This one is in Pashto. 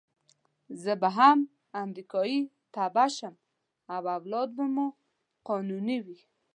زه به هم امریکایي تبعه شم او اولاد به مو قانوني وي.